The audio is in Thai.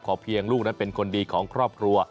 เพียงลูกนั้นเป็นคนดีของครอบครัว